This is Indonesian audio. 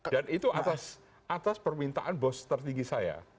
dan itu atas permintaan bos tertinggi saya